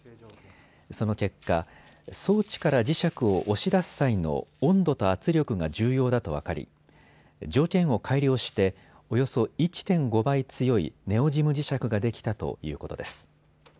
その結果、装置から磁石を押し出す際の温度と圧力が重要だと分かり条件を改良しておよそ１．５倍強いネオジム磁石ができたということです。